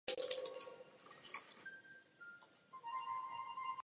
V soutěži startoval i tým Toyota.